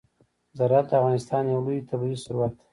زراعت د افغانستان یو لوی طبعي ثروت دی.